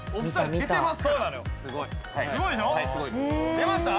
出ました？